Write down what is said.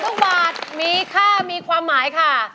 ทุกบาทมีค่ามีความหมายค่ะ